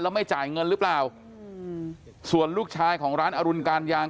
แล้วไม่จ่ายเงินหรือเปล่าอืมส่วนลูกชายของร้านอรุณการยาง